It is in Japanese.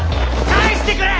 返してくれ！